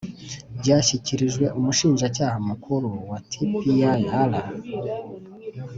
byashyikirijwe umushinjacyaha mukuru wa tpir?